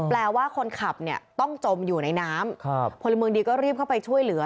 ว่าคนขับเนี่ยต้องจมอยู่ในน้ำพลเมืองดีก็รีบเข้าไปช่วยเหลือ